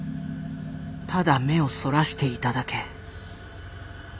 ただ目をそらしていただけ。